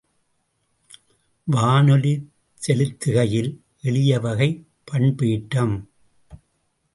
வானொலிச் செலுத்துகையில் எளிய வகைப் பண்பேற்றம்.